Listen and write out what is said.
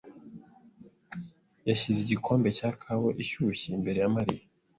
yashyize igikombe cya kawa ishyushye imbere ya Mariya.